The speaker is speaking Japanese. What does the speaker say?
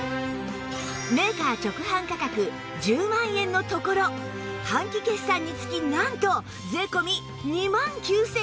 メーカー直販価格１０万円のところ半期決算につきなんと税込２万９８００円